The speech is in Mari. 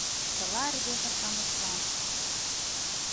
Чыла рвезе-шамычлан